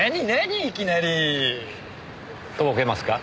いきなり。とぼけますか？